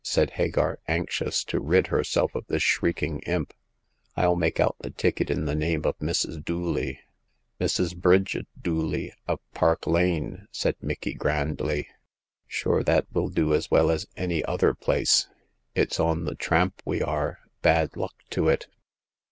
" said Hagar, anxious to rid herself of this shrieking imp. *' I'll make out the ticket in the name of Mrs. Dooley " "Mrs. Bridget Dooley, av Park Lane," said 5o6 Hagar of the Pawn Shop. ' Micky, grandly. Sure that will do as well as any other place. It's on the tramp we are— bad luck to it